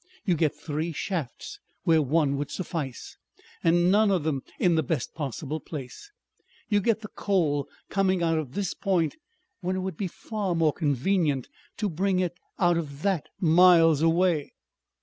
You get three shafts where one would suffice and none of them in the best possible place. You get the coal coming out of this point when it would be far more convenient to bring it out at that miles away.